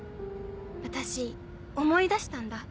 私思い出したんだ。